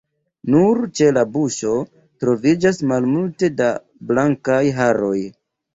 Nur ĉe la buŝo troviĝas malmulte da blankaj haroj.